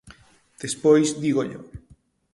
Despois dígollo.